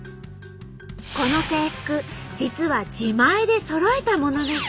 この制服実は自前でそろえたものらしい。